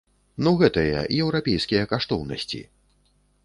Ну гэтыя, еўрапейскія каштоўнасці!